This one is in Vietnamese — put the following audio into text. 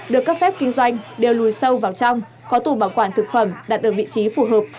được cấp phép kinh doanh đều lùi sâu vào trong có tủ bảo quản thực phẩm đạt ở vị trí phù hợp